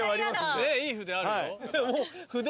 ねっいい筆あるよ。